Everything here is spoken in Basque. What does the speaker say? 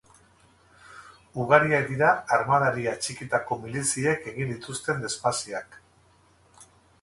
Ugariak dira armadari atxikitako miliziek egiten dituzten desmasiak.